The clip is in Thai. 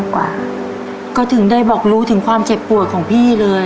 กว่าก็ถึงได้บอกรู้ถึงความเจ็บปวดของพี่เลย